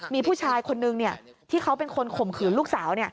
มีผู้ชายคนนึงที่เขาเป็นคนข่มขืนลูกสาว